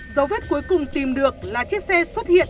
dấu vết cuối cùng tìm được là chiếc xe xuất hiện